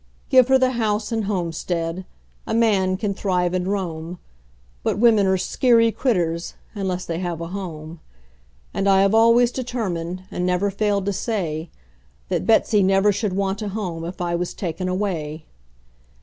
Give her the house and homestead a man can thrive and roam; But women are skeery critters, unless they have a home; And I have always determined, and never failed to say, That Betsey never should want a home if I was taken away.